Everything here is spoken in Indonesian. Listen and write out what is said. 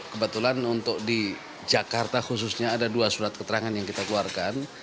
kebetulan untuk di jakarta khususnya ada dua surat keterangan yang kita keluarkan